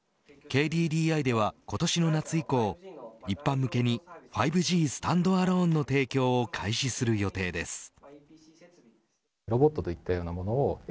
ＫＤＤＩでは今年の夏以降一般向けに５Ｇスタンドアローンの提供を開始する予定です。